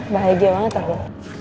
bahagia banget aku